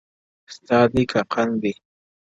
ستا دی که قند دی ـ